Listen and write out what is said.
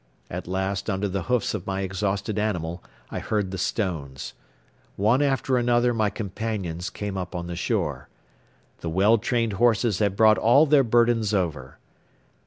At last under the hoofs of my exhausted animal I heard the stones. One after another my companions came up on the shore. The well trained horses had brought all their burdens over.